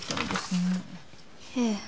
ええ。